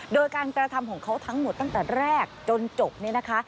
โดยการกระทำของเขาทั้งหมดตั้งแต่แรกจนจบเนี่ยนะคะ